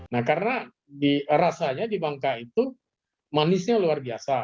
nah karena rasanya di bangka itu manisnya luar biasa